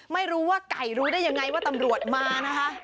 ไม่รู้ว่าไก่รู้ได้ยังไงว่าตำรวจมานะคะ